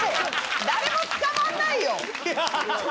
誰も捕まんないよ。